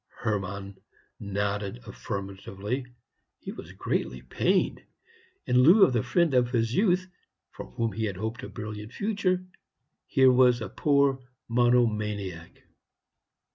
Hermann nodded affirmatively. He was greatly pained. In lieu of the friend of his youth, for whom he had hoped a brilliant future, here was a poor monomaniac!